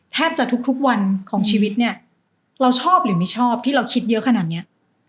แทบจะทุกวันของชีวิตเนี่ยเราชอบหรือไม่ชอบที่เราคิดเยอะขนาดเนี้ย